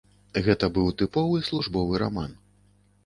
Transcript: Гэта быў тыповы службовы раман.